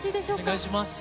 お願いします。